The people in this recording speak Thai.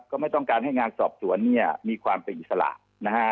ก็ไม่ต้องการให้งานสอบสวนเนี้ยมีความปริศาลนะฮะ